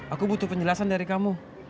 aku butuh penjelasan dari kamu